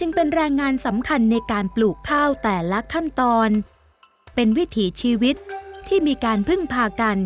จึงเป็นแรงงานสำคัญในการปลูกข้าวแต่ละขั้นตอนเป็นวิถีชีวิตที่มีการพึ่งพากัน